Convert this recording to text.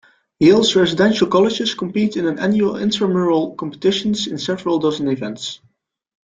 Yale's residential colleges compete in an annual intramural competitions in several dozen events.